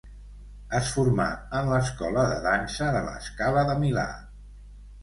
Es formà en l'escola de dansa de La Scala de Milà.